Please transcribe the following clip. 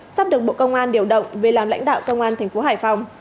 sắp được bộ công an điều động về làm lãnh đạo công an thành phố hải phòng